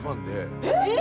えっ！？